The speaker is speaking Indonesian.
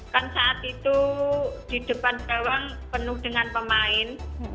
kan saat itu di depan gawang penuh dengan pemain